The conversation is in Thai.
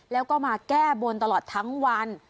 แล้วก็มาแก้บนตลอดทั้งวัน